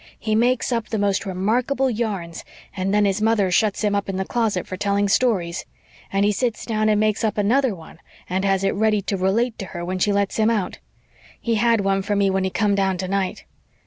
He makes up the most remarkable yarns and then his mother shuts him up in the closet for telling stories. And he sits down and makes up another one, and has it ready to relate to her when she lets him out. He had one for me when he come down tonight.